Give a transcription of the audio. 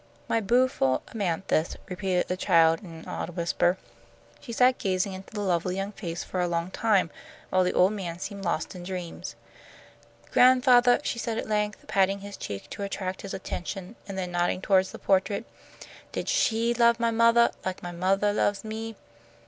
"My bu'ful Amanthis!" repeated the child, in an awed whisper. She sat gazing into the lovely young face for a long time, while the old man seemed lost in dreams. "Gran'fathah," she said at length, patting his cheek to attract his attention, and then nodding toward the portrait, "did she love my mothah like my mothah loves me?"